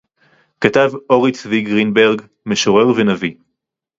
כתב אורי צבי גרינברג, משורר ונביא